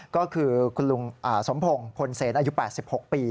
ก็คือคุณลุงสมพงศ์พลเซนอายุ๘๖ปี